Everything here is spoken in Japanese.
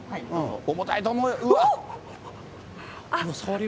重たいと思うよ。